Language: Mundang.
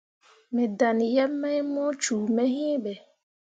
Me dan yeb mai mu cume iŋ be.